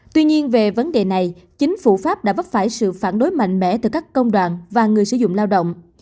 tuy nhiên về vấn đề này chính phủ pháp đã vấp phải sự phản đối mạnh mẽ từ các công đoàn và người sử dụng lao động